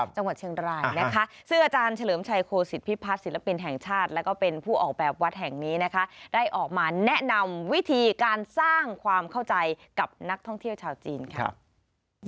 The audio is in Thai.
จังหวัดเชียงรายนะคะซึ่งอาจารย์เฉลิมชัยโคศิษฐพิพัฒน์ศิลปินแห่งชาติแล้วก็เป็นผู้ออกแบบวัดแห่งนี้นะคะได้ออกมาแนะนำวิธีการสร้างความเข้าใจกับนักท่องเที่ยวชาวจีนค่ะ